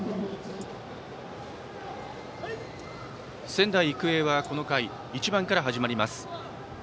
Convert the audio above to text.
仙台育英はこの回１番から始まります。